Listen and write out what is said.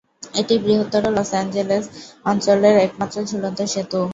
এটি বৃহত্তর Los Angeles অঞ্চলের একমাত্র ঝুলন্ত সেতু।